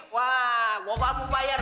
wah gua gak mau bayar